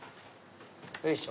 よいしょ。